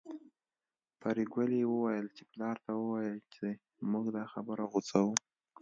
پري ګلې وويل چې پلار ته ووايه چې موږ دا خبره غوڅوو